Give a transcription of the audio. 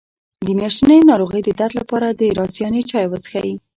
د میاشتنۍ ناروغۍ درد لپاره د رازیانې چای وڅښئ